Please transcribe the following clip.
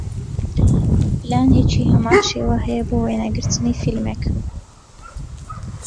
پلانێکی هەمان شێوە هەیە بۆ وێنەگرتنی فیلمێک